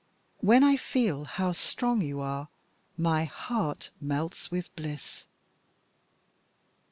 When I feel how strong you are my heart melts with bliss!"